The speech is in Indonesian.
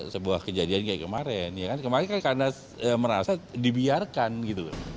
sebuah kejadian kayak kemarin ya kan kemarin kan karena merasa dibiarkan gitu